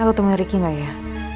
aku temuin riki enggak ya